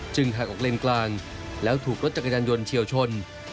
หักออกเลนกลางแล้วถูกรถจักรยานยนต์เฉียวชน